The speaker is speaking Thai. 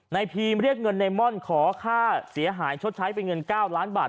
พีมเรียกเงินในม่อนขอค่าเสียหายชดใช้เป็นเงิน๙ล้านบาท